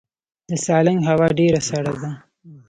د سالنګ هوا ډیره سړه ده